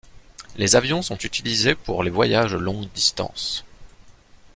Les avions sont utilisés pour les voyages longues distances.